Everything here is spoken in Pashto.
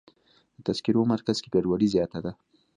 د تذکرو مرکز کې ګډوډي زیاته ده.